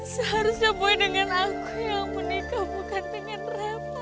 seharusnya boy dengan aku yang menikah bukan dengan apa